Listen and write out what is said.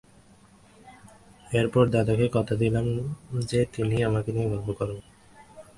এরপর দাদাকে কথা দিলাম যে তিনি আমাকে নিয়ে গর্ব করবেন।